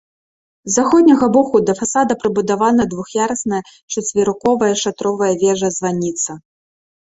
З заходняга боку да фасада прыбудавана двух'ярусная чацверыковая шатровая вежа-званіца.